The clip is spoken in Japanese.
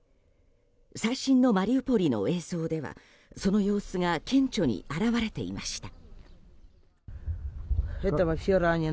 最新のマリウポリの映像ではその様子が顕著に表れていました。